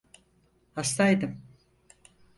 Hastaydım…